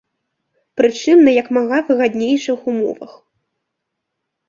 Прычым на як мага выгаднейшых умовах.